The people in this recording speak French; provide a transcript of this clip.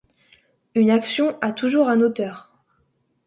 Une action a toujours un auteur.